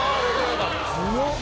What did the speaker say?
強っ。